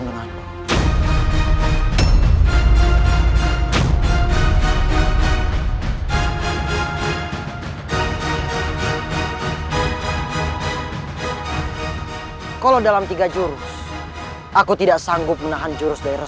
berkali kali kamu sudah melukai ku yudhakara